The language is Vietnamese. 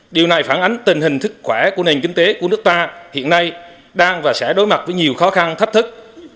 điều này phản ánh tình hình thức khỏe của nền kinh tế của nước ta hiện nay đang và sẽ đối mặt với nhiều khó khăn thách thức